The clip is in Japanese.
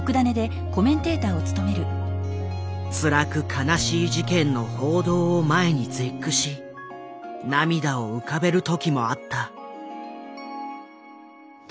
つらく悲しい事件の報道を前に絶句し涙を浮かべる時もあった。